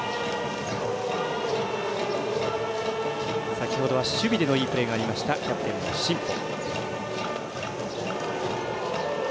先ほどは守備でのいいプレーがありましたキャプテンの新保。